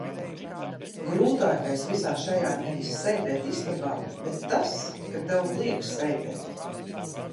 Grūtākais visā šajā ir nevis sēdēt istabā, bet tas, ka tev liek sēdēt.